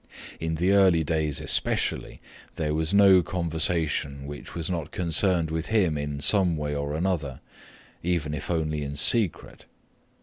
In the early days especially, there was no conversation which was not concerned with him in some way or other, even if only in secret.